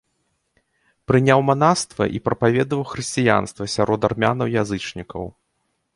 Прыняў манаства і прапаведаваў хрысціянства сярод армянаў-язычнікаў.